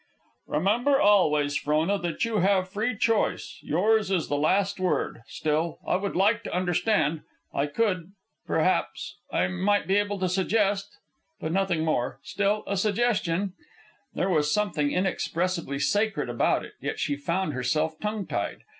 "Remember always, Frona, that you have free choice, yours is the last word. Still, I would like to understand. I could ... perhaps ... I might be able to suggest. But nothing more. Still, a suggestion ..." There was something inexpressibly sacred about it, yet she found herself tongue tied.